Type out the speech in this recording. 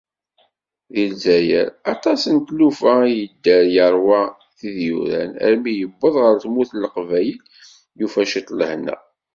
Di lezzayer, aṭas n tlufa i yedder, yeṛwa tid yuran armi yewweḍ ɣer tmurt n Leqbayel, yufa ciṭ n lehna.